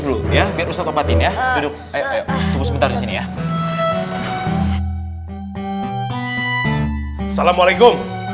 kamu akan kalah sama aku